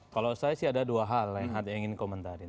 kalau saya sih ada dua hal yang ingin komentarin